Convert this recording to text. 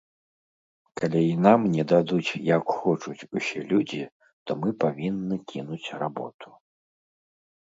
Калі і нам не дадуць, як хочуць усе людзі, то мы павінны кінуць работу.